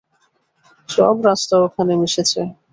সব রাস্তা ওখানে মিশেছে।